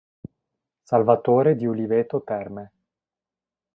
Salvatore di Uliveto Terme.